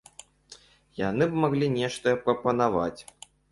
Яны б маглі нешта прапанаваць.